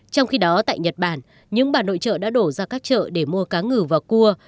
trong khi đó tại nhật bản những bà nội trợ đã đổ ra các chợ để mua cá ngừ và cua